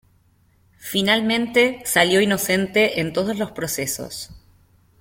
Finalmente salió inocente en todos los procesos.